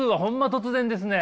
突然です。